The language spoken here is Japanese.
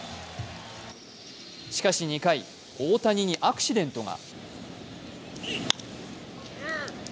しかし２回大谷にアクシデントが。